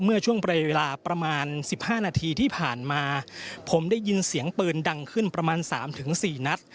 เมื่อช่วงประเวลาประมาณสิบห้านาทีที่ผ่านมาผมได้ยินเสียงเปลือนดังขึ้นประมาณสามถึงสี่นัด